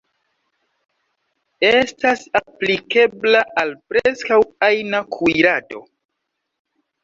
Estas aplikebla al preskaŭ ajna kuirado.